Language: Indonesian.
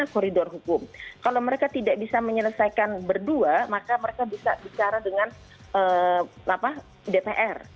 kalau mereka tidak bisa menyelesaikan berdua maka mereka bisa bicara dengan dpr